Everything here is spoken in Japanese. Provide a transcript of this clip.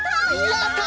やった！